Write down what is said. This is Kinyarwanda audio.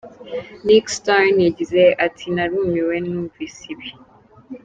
Nick Stern yagize ati: "Narumiwe numvisi ibi.